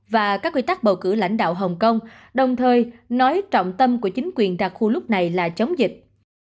và các quy tắc bầu cử lãnh đạo hồng kông đồng thời nói trọng tâm của chính quyền đặc khu lúc này là chống dịch